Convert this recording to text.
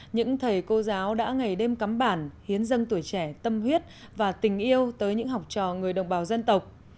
những thầy cô giáo đã ngày đêm cắm bản hiến dâng tuổi trẻ tâm huyết và tình yêu tới những học trò người đồng bào dân tộc